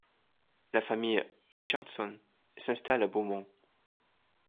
La famille Richardson s’installe à Beaumont.